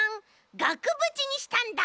がくぶちにしたんだ！